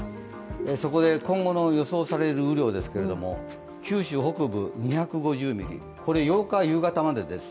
そこで今後の予想される雨量ですが九州北部２５０ミリ、これは８日夕方までです。